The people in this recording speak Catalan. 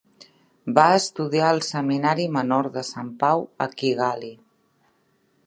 Va estudiar al Seminari Menor de Sant Pau a Kigali.